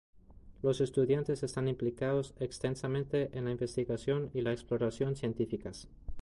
Los estudiantes están implicados extensamente en la investigación y la exploración científicas.